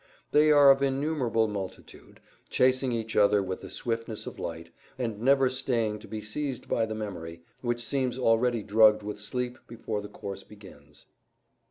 They are of innumerable multitude, chasing each other with the swiftness of light, and never staying to be seized by the memory, which seems already drugged with sleep before their course begins.